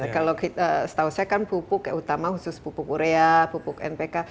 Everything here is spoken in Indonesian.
kalau setahu saya kan pupuk utama khusus pupuk urea pupuk npk